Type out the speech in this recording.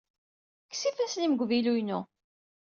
Kkes ifassen-im seg uvilu-inu!